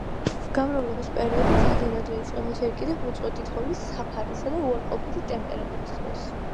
გამრავლების პერიოდი ძალიან ადრე იწყება, ჯერ კიდევ უწყვეტი თოვლის საფარისა და უარყოფითი ტემპერატურის დროს.